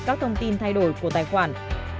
các thông tin thay đổi của tài khoản